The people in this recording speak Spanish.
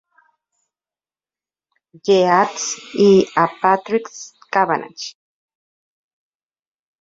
Yeats y a Patrick Kavanagh.